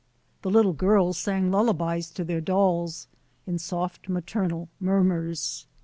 The little girls sang lullabies to their dolls in soft, maternal murmurs.